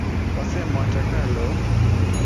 Watasema watakalo